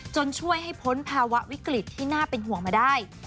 ช่วยให้พ้นภาวะวิกฤตที่น่าเป็นห่วงมาได้